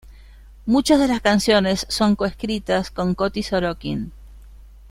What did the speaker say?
Muchas de las canciones son co-escritas con Coti Sorokin.